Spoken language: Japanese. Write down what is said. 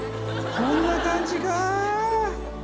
こんな感じかぁ。